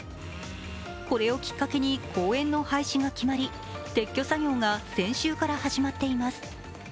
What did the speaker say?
これをきっかけに公園の廃止が決まり、撤去作業が先週から始まっています。